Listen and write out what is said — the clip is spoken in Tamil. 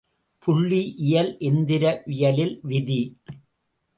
புள்ளி இயல் எந்திரவியலில் விதி.